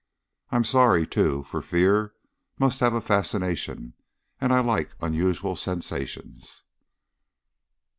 I'm sorry, too, for fear must have a fascination and I like unusual sensations."